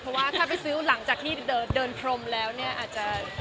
เพราะว่าถ้าไปซื้อหลังจากที่เดินพรมแล้วเนี่ยอาจจะ